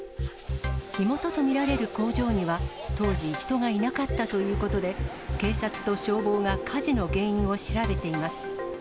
火元と見られる工場には、当時、人がいなかったということで、警察と消防が火事の原因を調べています。